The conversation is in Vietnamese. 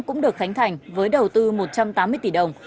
cũng được khánh thành với đầu tư một trăm tám mươi tỷ đồng